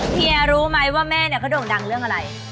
เฮียรู้ไหมว่าแม่เนี่ยเขาโด่งดังเรื่องอะไร